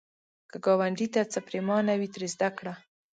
که ګاونډي ته څه پرېمانه وي، ترې زده کړه